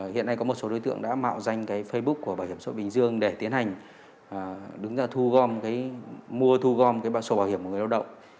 hiện nay có một số đối tượng đã mạo danh cái facebook của bảo hiểm xã hội bình dương để tiến hành đứng ra thu gom mua thu gom cái sổ bảo hiểm của người lao động